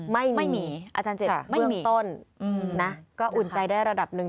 ไม่มีอาจารย์จิตเบื้องต้นนะก็อุ่นใจได้ระดับหนึ่ง